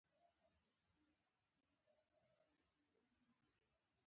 د ايډېسن د کاميابۍ کيسه دا اصول تاييدوي.